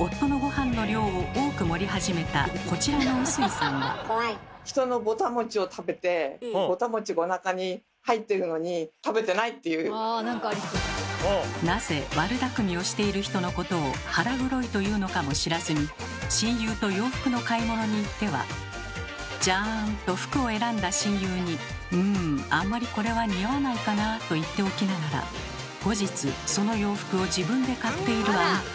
本当はおしゃべりなのに身長も体重も一緒のなぜ悪だくみをしている人のことを「腹黒い」というのかも知らずに親友と洋服の買い物に行っては「じゃん！」と服を選んだ親友に「うんあんまりこれは似合わないかな」と言っておきながら後日その洋服を自分で買っているあなた。